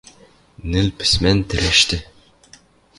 Нӹл пӹсмӓн тӹрӹштӹ